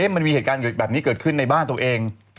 มันมีเหตุการณ์แบบนี้เกิดขึ้นในบ้านตัวเอง